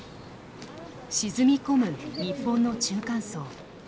沈み込む日本の中間層。